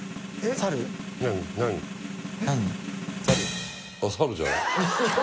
△サルじゃない？